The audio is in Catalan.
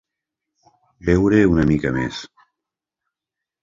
Veure una mica més.